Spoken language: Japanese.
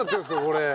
これ。